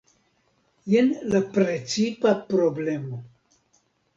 Jen la precipa problemo.